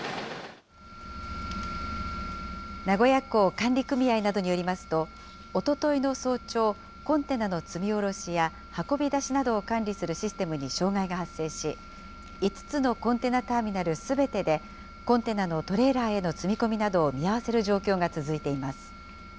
名古屋港管理組合などによりますと、おとといの早朝、コンテナの積み降ろしや運び出しなどを管理するシステムに障害が発生し、５つのコンテナターミナルすべてで、コンテナのトレーラーへの積み込みなどを見合わせる状況が続いています。